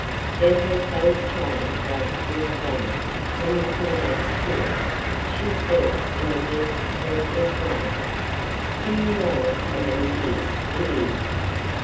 Then her face changed like a filled lamp when you put a match to it. She said, in a deep, breathless way: "Do you know how many years it is?"